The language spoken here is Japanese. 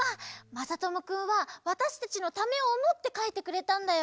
まさともくんはわたしたちのためをおもってかいてくれたんだよ。